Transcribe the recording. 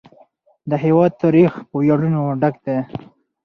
د هېواد تاریخ په ویاړونو ډک دی.